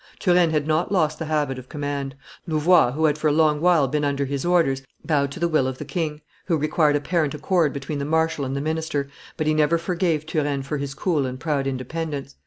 Turenne had not lost the habit of command; Louvois, who had for a long while been under his orders, bowed to the will of the king, who required apparent accord between the marshal and the minister, but he never forgave Turenne for his cool and proud independence.